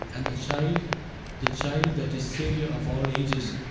And the child — The child that is the saviour of all ages.